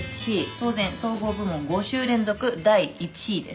「当然総合部門５週連続第１位です」